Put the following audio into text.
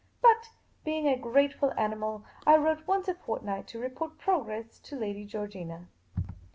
But, being a grateful animal, I wrote once a fortnight to report progress to Lady Georgina.